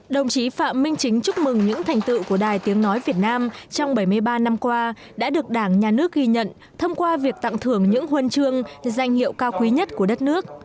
đồng chí phạm minh chính chúc mừng những thành tựu của đài tiếng nói việt nam trong bảy mươi ba năm qua đã được đảng nhà nước ghi nhận thông qua việc tặng thưởng những huân chương danh hiệu cao quý nhất của đất nước